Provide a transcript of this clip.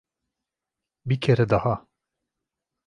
Bir kere daha.